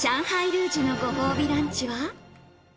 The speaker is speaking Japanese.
ルージュのご褒美ランチは。